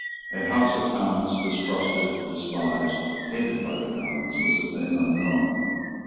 A House of Commons, distrusted, despised, hated by the Commons, was a thing unknown.